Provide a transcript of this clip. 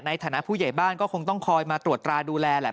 ในฐานะผู้ใหญ่บ้านก็คงต้องคอยมาตรวจตราดูแลแหละ